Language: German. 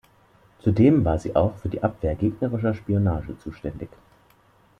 Zudem war sie auch für die Abwehr gegnerischer Spionage zuständig.